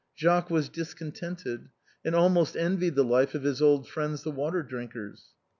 Jacques was discontented, and almost envied the life of his old friends, the Water drinkers.